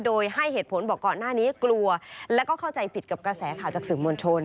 โดยให้เหตุผลบอกก่อนหน้านี้กลัวแล้วก็เข้าใจผิดกับกระแสข่าวจากสื่อมวลชน